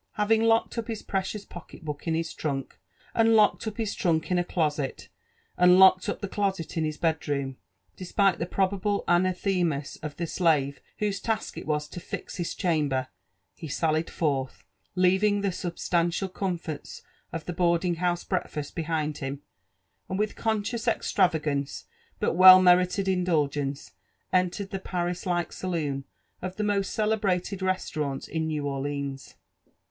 Having locked up his precious pocket book in his trunk, and locked up his trunk in a closet, and locked up (he closet in his bed room, despite the probable anathemas of the slave whose task it was to *' fix his chamber," he sallied forth, leaving the mbstantial comforts of the boarding house breakfast behind him, and with conscious extravagance, but well merited indulgence, entered the P^ns like saloon of the most celebrated restaurant in Nevr Orleans.